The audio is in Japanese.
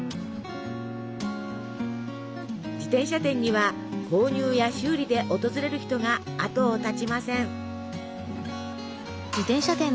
自転車店には購入や修理で訪れる人があとを絶ちません。